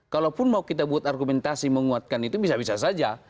kalaupun mau kita buat argumentasi menguatkan itu bisa bisa saja